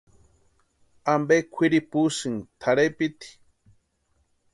¿Ampe kwʼiripusïni tʼarhepiti?